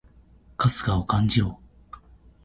春日を感じろ！